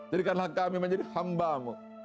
jadikanlah kami menjadi hambamu